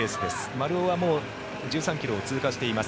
丸尾はもう１３ｋｍを通過しています。